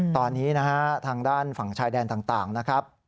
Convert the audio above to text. ตอนนี้นะฮะทางด้านฝั่งชายแดนต่างนะครับ